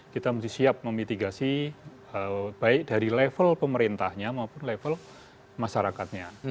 kita mesti siap memitigasi baik dari level pemerintahnya maupun level masyarakatnya